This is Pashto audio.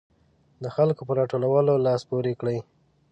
د خلکو په راټولولو لاس پورې کړي.